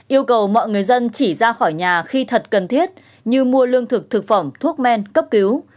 yêu cầu mọi người dân chỉ ra khỏi nhà khi thật cần thiết như mua lương thực thực phẩm thuốc men cấp cứu